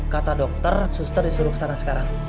kata dokter suster disuruh ke sana sekarang